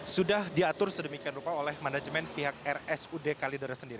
sudah diatur sedemikian rupa oleh manajemen pihak rsud kalidera sendiri